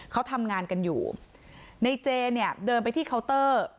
เขาทำงานกันอยู่ในเจเนี่ยเดินไปที่เคาน์เตอร์